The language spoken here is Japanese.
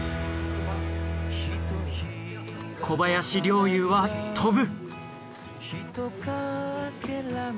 小林陵侑は飛ぶ。